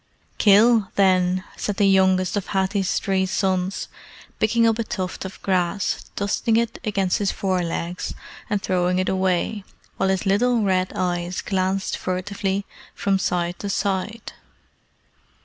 "Kill, then," said the youngest of Hathi's three sons, picking up a tuft of grass, dusting it against his fore legs, and throwing it away, while his little red eyes glanced furtively from side to side.